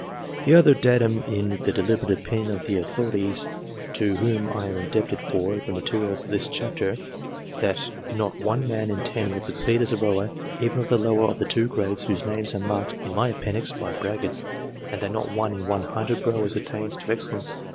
The other datum is the deliberate opinion of the authorities to whom I am indebted for the materials of this chapter, that not 1 man in 10 will succeed as a rower even of the lower of the two grades whose names are marked in my Appendix by brackets, and that not 1 in 100 rowers attains to excellence.